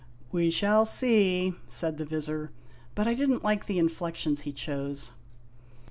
"We shall see," said the Vizir; but I did n't like the inflections he chose.